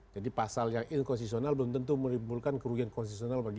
jadi pasal yang inkonsesional belum tentu merimbulkan kerugian konsesional bagi kita